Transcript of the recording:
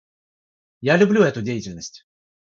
Я люблю эту деятельность.